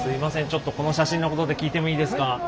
ちょっとこの写真のことで聞いてもいいですか？